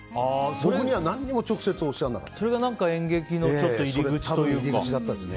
俺には直接おっしゃらなかった。